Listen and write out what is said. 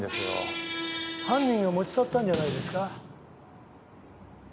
犯人が持ち去ったんじゃないですか？